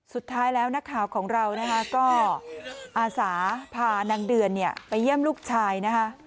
สุดท้ายแล้วนักข่าวของเรานะคะก็อาสาพานางเดือนไปเยี่ยมลูกชายนะคะ